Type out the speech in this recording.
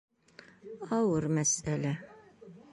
Ауыр мәсьәлә.